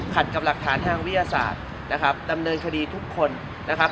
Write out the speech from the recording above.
กับหลักฐานทางวิทยาศาสตร์นะครับดำเนินคดีทุกคนนะครับ